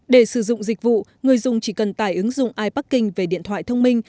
để sử dụng dịch vụ người dùng chỉ cần tải ứng dụng iparking về điện thoại thông minh